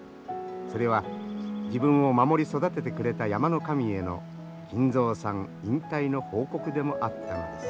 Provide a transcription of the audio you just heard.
それは自分を守り育ててくれた山の神への金蔵さん引退の報告でもあったのです。